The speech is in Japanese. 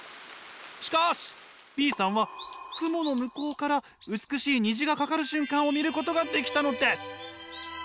しかしＢさんは雲の向こうから美しい虹がかかる瞬間を見ることができたのです。